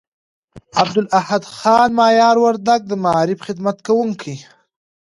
عبدالاحد خان مایار وردگ، د معارف خدمت کوونکي